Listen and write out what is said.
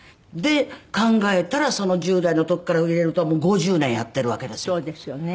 で考えたらその１０代の時から入れると５０年やってるわけですよ。